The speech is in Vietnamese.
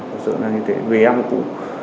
thật sự là như thế vì em cũng